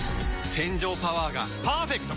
洗浄パワーがパーフェクト！